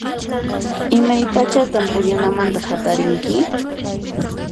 Imaypachatan puñunamanta hatarinki?